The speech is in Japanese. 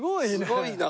すごいな。